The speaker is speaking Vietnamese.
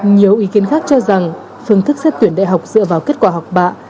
nhiều ý kiến khác cho rằng phương thức xếp tuyển đại học dựa vào kết quả học bạc